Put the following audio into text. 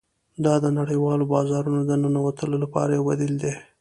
دا د نړیوالو بازارونو د ننوتلو لپاره یو بدیل دی